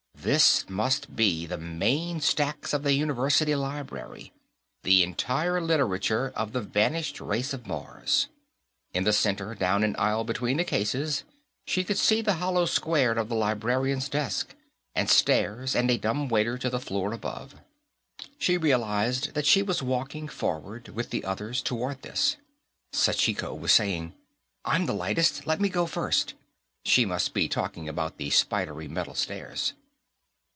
This must be the main stacks of the university library the entire literature of the vanished race of Mars. In the center, down an aisle between the cases, she could see the hollow square of the librarians' desk, and stairs and a dumb waiter to the floor above. She realized that she was walking forward, with the others, toward this. Sachiko was saying: "I'm the lightest; let me go first." She must be talking about the spidery metal stairs.